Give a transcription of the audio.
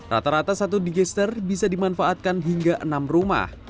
rata rata satu digester bisa dimanfaatkan hingga enam rumah